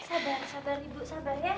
aduh sabar sabar ibu sabar ya